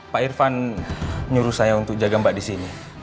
pak irfan nyuruh saya untuk jaga mbak disini